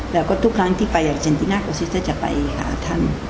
แล้วก็ทุกครั้งที่ไปอาจารย์ดิงาครอสซิสเตอร์จะไปหาท่าน